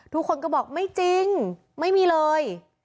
ทุกคนก็บอกไม่จริงไม่มีเลย